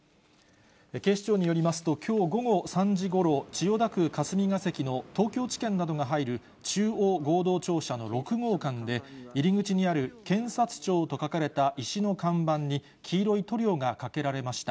警視庁によりますと、きょう午後３時ごろ、千代田区霞が関の東京地検などが入る中央合同庁舎の６号館で、入り口にある検察庁と書かれた石の看板に、黄色い塗料がかけられました。